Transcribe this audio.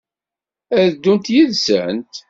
Ad ddunt yid-sent?